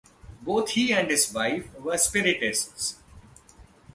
Both he and his wife were Spiritists.